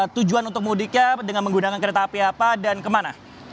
tujuan untuk mudiknya dengan menggunakan kereta api apa dan kemana